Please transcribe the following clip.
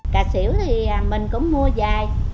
cà xỉu thì mình cũng mua dài